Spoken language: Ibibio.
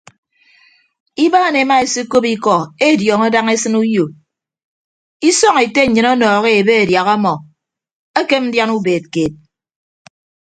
Ibaan ema esekop ikọ ediọọñọ daña esịn uyo isọñ ete nnyịn ọnọhọ ebe adiaha ọmọ ekem ndian ubeed keed.